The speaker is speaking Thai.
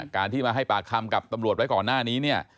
การที่มาให้ปากคำกับตำรวจไว้ก่อนหน้านี้เนี่ย